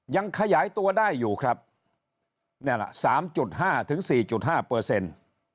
ยังขยายตัวได้อยู่ครับนี่ล่ะ๓๕ถึง๔๕เปอร์เซ็นต์